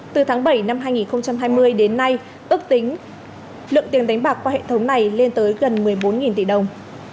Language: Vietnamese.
từ tháng bảy năm hai nghìn hai mươi đến nay ước tính lượng tiền đánh bạc qua hệ thống này lên tới gần một mươi bốn tỷ đồng